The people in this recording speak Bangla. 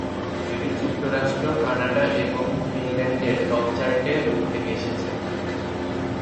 এটি যুক্তরাষ্ট্র, কানাডা এবং ফিনল্যান্ডে টপ চার্টে উঠে আসে।